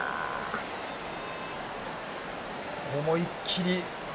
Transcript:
思い切り。